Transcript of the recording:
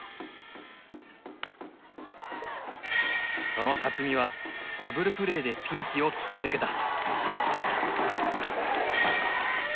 その巽はダブルプレーでピンチを切り抜けた！